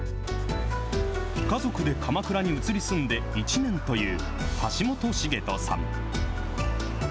家族で鎌倉に移り住んで１年という、橋本茂人さん。